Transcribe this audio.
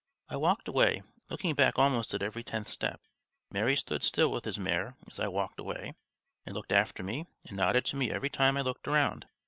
I walked away, looking back almost at every tenth step. Marey stood still with his mare as I walked away, and looked after me and nodded to me every time I looked round.